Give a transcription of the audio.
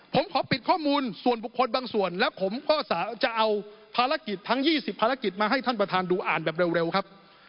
ผมขอปิดข้อมูลส่วนบุคคลบางส่วนแล้วผมก็จะเอาภารกิจทั้ง๒๐ภารกิจมาให้ท่านประธานดูอ่านแบบเร็วครับ